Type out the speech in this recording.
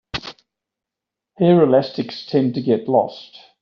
Hair elastics tend to get lost.